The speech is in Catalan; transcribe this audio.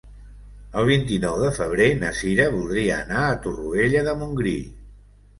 El vint-i-nou de febrer na Cira voldria anar a Torroella de Montgrí.